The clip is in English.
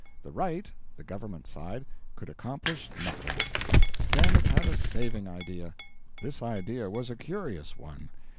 The Right (the Government side) could accomplish nothing. Then it had a saving idea. This idea was a curious one.